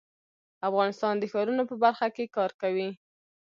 افغانستان د ښارونو په برخه کې کار کوي.